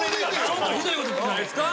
ちょっとひどい事言ってないですか？